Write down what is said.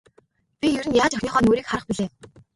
Би ер нь яаж охиныхоо нүүрийг харах билээ.